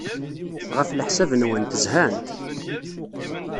Ɣef leḥsab-nwent, zhant?